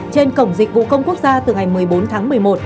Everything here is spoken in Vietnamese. trên cổng dịch vụ công quốc gia từ ngày một mươi bốn tháng một mươi một